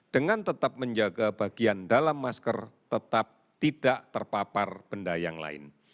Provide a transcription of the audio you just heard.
dengan tetap menjaga bagian dalam masker tetap tidak terpapar benda yang lain